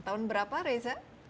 tahun berapa reza